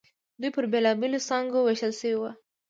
دوی پر بېلابېلو څانګو وېشل شوي وو.